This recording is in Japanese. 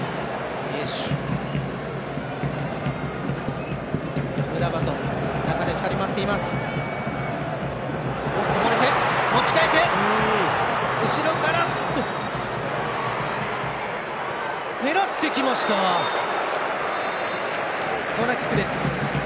コーナーキックです。